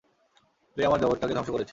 তুই আমার জগতটাকে ধ্বংস করেছিস।